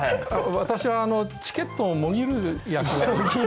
私はチケットをもぎる役。